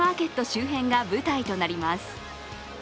周辺が舞台となります。